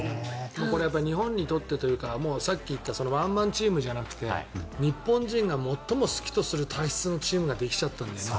これは日本にとってというかさっき言ったワンマンチームじゃなくて日本人が最も好きとする体質のチームができちゃったんだよね。